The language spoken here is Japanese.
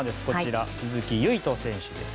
鈴木唯人選手です。